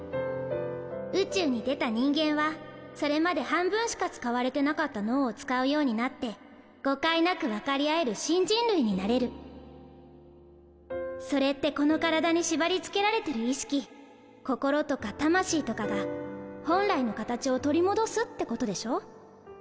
宇宙に出た人間はそれまで半分しか使われてなかった脳を使うようになって誤解なく分かり合える新人類になれるそれってこの体に縛りつけられてる意識心とか魂とかが本来の形を取り戻すってことでしょ？